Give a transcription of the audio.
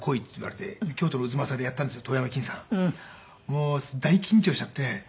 もう大緊張しちゃって。